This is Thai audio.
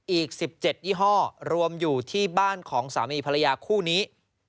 อีก๑๗ยี่ห้อรวมอยู่ที่บ้านของสามีภรรยาคู่นี้